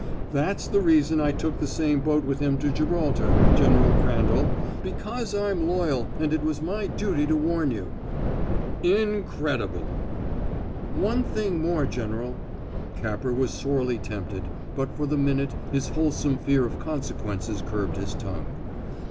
That's the reason I took the same boat with him to Gibraltar, General Crandall because I'm loyal and it was my duty to warn you." "Incredible!" "One thing more, General." Capper was sorely tempted, but for the minute his wholesome fear of consequences curbed his tongue.